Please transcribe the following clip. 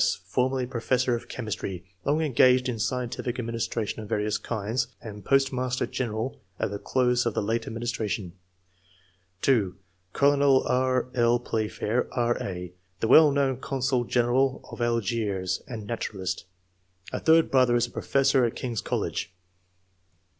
E.S., formerly professor of chemistry, long engaged in scientific administration of various kinds, and postmaster general at the close of the late administration ; (2) Colonel E. L. Playfair, E. A., the weU known consul general of Algiers, and naturalist. A third brother is a professor at King's College.